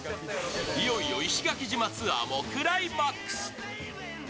いよいよ石垣島ツアーもクライマックス。